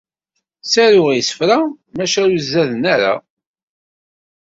Ttaruɣ isefra, maca ur zaden ara.